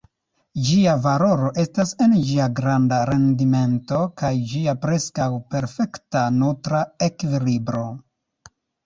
Ĝia valoro estas en ĝia granda rendimento kaj ĝia preskaŭ perfekta nutra ekvilibro.